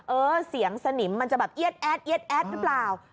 เออเสียงสนิมมันจะแบบเอ๊หรือเปล่า